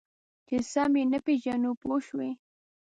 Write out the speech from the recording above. چې سم یې نه پېژنو پوه شوې!.